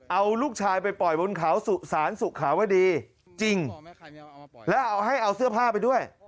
เอาลูกชายไปปล่อยบนเขาสุสานสุขาวดีจริงแล้วเอาให้เอาเสื้อผ้าไปด้วย